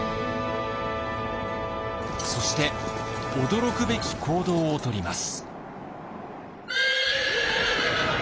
そして驚くべき行動をとります。